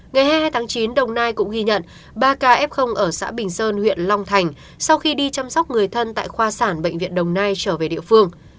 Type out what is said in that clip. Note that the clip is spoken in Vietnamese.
ngày hai mươi hai tháng chín đồng nai cũng ghi nhận ba ca f ở xã bình sơn huyện long thành sau khi đi chăm sóc người thân tại khoa sản bệnh viện đồng nai trở về địa phương